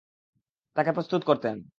তাকে প্রস্তুত করতেন।